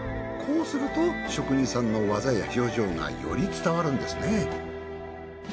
こうすると職人さんの技や表情がより伝わるんですね。